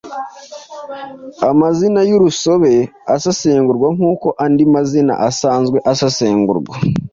Amazina y’urusobe asesengurwa nk’uko andi mazina asanzwe asesengurwa